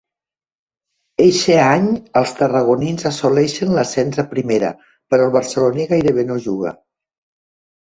Eixe any els tarragonins assoleixen l'ascens a Primera, però el barceloní gairebé no juga.